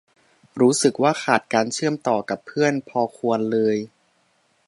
รู้สึกว่าขาดการเชื่อมต่อกับเพื่อนพอควรเลย